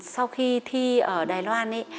sau khi thi ở đài loan ấy